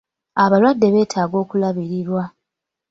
Abalwadde betaaga okulabirirwa.